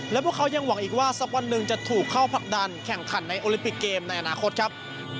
และพวกเขายังหวังอีกว่าสักวันหนึ่งจะถูกเข้าผลักดันแข่งขันในโอลิมปิกเกมในอนาคตครับ